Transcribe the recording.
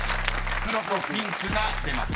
［「黒」と「ピンク」が出ました。